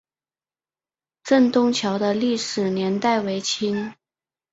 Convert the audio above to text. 镇东桥的历史年代为清。